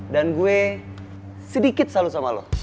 dan gue sedikit salah sama lo